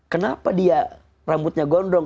kenapa dia rambutnya gondrong